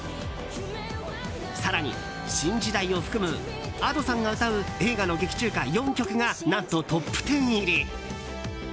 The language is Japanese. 更に、「新時代」を含むＡｄｏさんが歌う映画の劇中歌４曲が何とトップ１０入り。